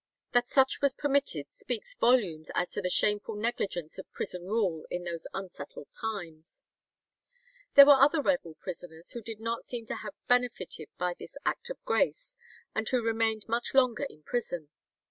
That such was permitted speaks volumes as to the shameful negligence of prison rule in those unsettled times. There were other rebel prisoners, who do not seem to have benefited by this Act of Grace, and who remained much longer in prison.